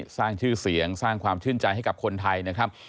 สร้างชื่อเสียงสร้างความชื่นใจให้กับคนไทยนะครับ